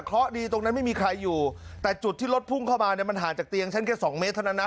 เพราะดีตรงนั้นไม่มีใครอยู่แต่จุดที่รถพุ่งเข้ามาเนี่ยมันห่างจากเตียงฉันแค่สองเมตรเท่านั้นนะ